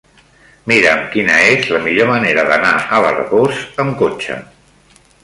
Mira'm quina és la millor manera d'anar a l'Arboç amb cotxe.